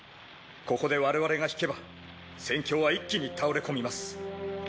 ここで我々が引けば戦況は一気に倒れ込みます。